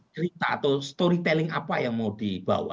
cerita atau storytelling apa yang mau dibawa